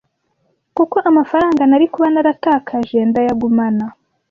kuko amafaranga nari kuba naratakaje ndayagumana".